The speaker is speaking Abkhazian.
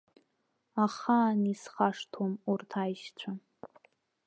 Ахаан исхашҭуам урҭ аишьцәа.